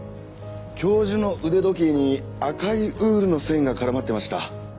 教授の腕時計に赤いウールの繊維が絡まってました。